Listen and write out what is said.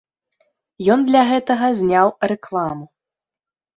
Ён для гэтага зняў рэкламу.